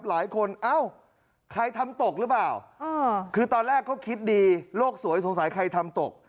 เอ้าใครทำตกหรือเปล่าคือตอนแรกเขาคิดดีโลกสวยสงสัยใครทำตก